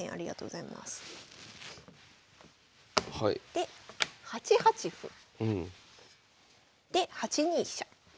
で８八歩。で８二飛車。